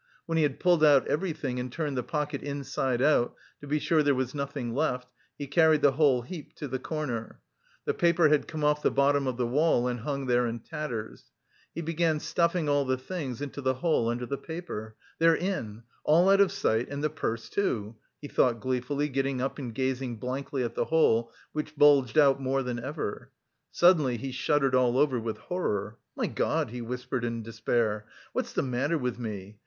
When he had pulled out everything, and turned the pocket inside out to be sure there was nothing left, he carried the whole heap to the corner. The paper had come off the bottom of the wall and hung there in tatters. He began stuffing all the things into the hole under the paper: "They're in! All out of sight, and the purse too!" he thought gleefully, getting up and gazing blankly at the hole which bulged out more than ever. Suddenly he shuddered all over with horror; "My God!" he whispered in despair: "what's the matter with me?